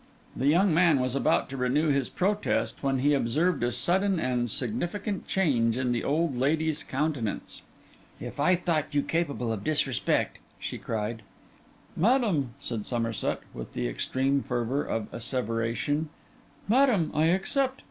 The young man was about to renew his protest, when he observed a sudden and significant change in the old lady's countenance. 'If I thought you capable of disrespect!' she cried. 'Madam,' said Somerset, with the extreme fervour of asseveration, 'madam, I accept.